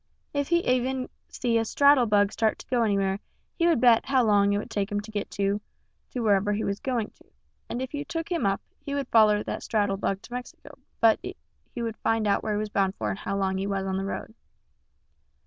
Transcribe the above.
If he even see a straddle bug start to go anywhere, he would bet how long it would take him to get to to wherever he was going to, and if you took him up, he would foller that straddle bug to Mexico but what he would find out where he was bound for and how long he was on the road.